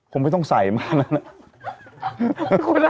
คงไม่ต้องใส่มากนะ